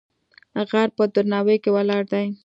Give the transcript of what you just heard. غر په درناوی کې ولاړ دی.